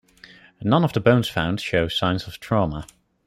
None of the bones found show signs of trauma.